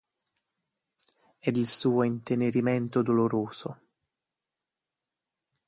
Ed il suo intenerimento doloroso.